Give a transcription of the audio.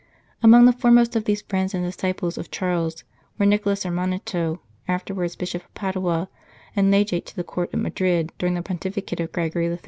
Among the foremost of these friends and disciples of Charles were Nicholas Ormanetto, afterwards Bishop of Padua and Legate to the Court of Madrid during the Pontificate of Gregory XIII.